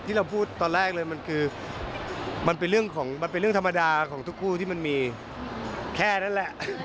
ที่เราพูดตอนแรกเลยมันคือมันเป็นเรื่องธรรมดาของทุกคู่ที่มันมีแค่นั้นแหละ